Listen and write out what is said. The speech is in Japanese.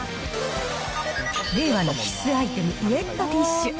令和の必須アイテム、ウエットティッシュ。